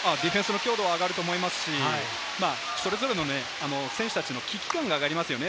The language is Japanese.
強度が上がると思いますし、それぞれの選手たちの危機感が上がりますね。